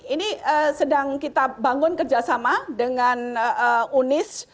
ini sedang kita bangun kerjasama dengan unis